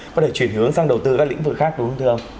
có thể chuyển hướng sang đầu tư các lĩnh vực khác đúng không thưa ông